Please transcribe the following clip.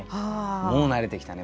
もう慣れてきたね